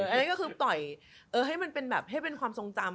อันนี้ก็คือต่อยให้มันเป็นความทรงจำ